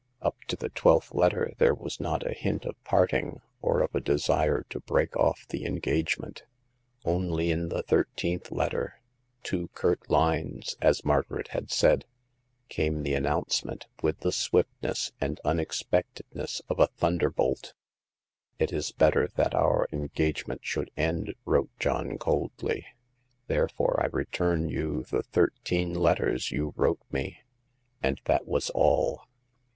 Up to the twelfth letter there was not a hint of parting or of a desire to break off the engagement ; only in the thirteenth letter— two curt lines, as Margaret had said — came the an nouncement, with the swiftness and unexpected ness of a thunderbolt. It is better that our engagement should end," wrote John, coldly ;therefore I return you the thirteen letters you wrote me." And that was all.